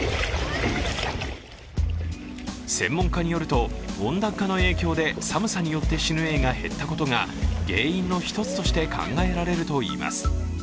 専門家によると、温暖化の影響で寒さによって死ぬエイが減ったことが原因の一つとして考えられるといいます。